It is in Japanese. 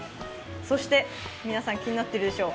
そして皆さん気になっているでしょう。